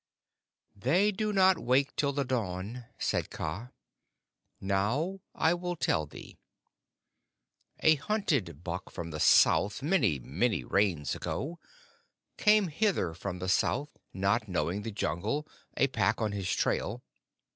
"They do not wake till the dawn," said Kaa. "Now I will tell thee. A hunted buck from the south, many, many Rains ago, came hither from the south, not knowing the Jungle, a Pack on his trail.